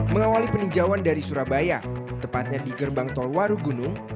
mengawali peninjauan dari surabaya tepatnya di gerbang tol warugunung